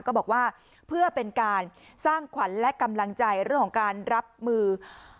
ก็บอกว่าเพื่อเป็นการสร้างขวัญและกำลังใจเรื่องของการรับมือ